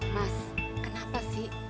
mas kenapa sih